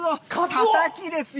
たたきですよ